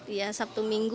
ya sabtu minggu